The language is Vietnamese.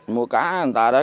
mua cá người ta đó